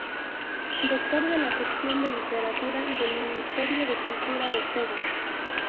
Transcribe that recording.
Doctor de la Sección de Literatura del Ministerio de Cultura de Cuba.